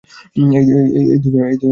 এই দুইজনে সত্যি বলছে।